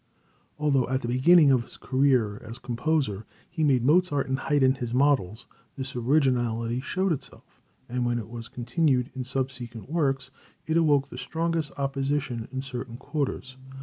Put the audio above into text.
Although at the beginning of his career as composer, he made Mozart and Haydn his models, this originality showed itself, and when it was continued in subsequent works, it awoke the strongest opposition in certain quarters.